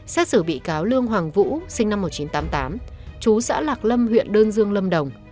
xét xử bị cáo lương hoàng vũ sinh năm một nghìn chín trăm tám mươi tám chú xã lạc lâm huyện đơn dương lâm đồng